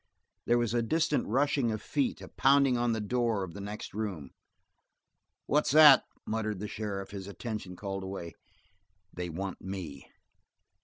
There was a distant rushing of feet, a pounding on the door of the next room. "What's that?" muttered the sheriff, his attention called away. "They want me."